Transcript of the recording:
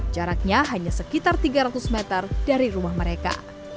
jaraknya hanya sekitar tiga ratus meter dari rumah mereka